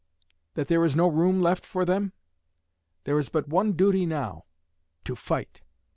That there is no room left for them? There is but one duty now to fight.